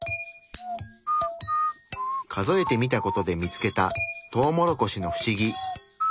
数えてみた事で見つけたトウモロコシのフシギ。